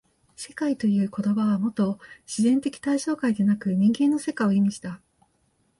「世界」という言葉はもと自然的対象界でなく人間の世界を意味した。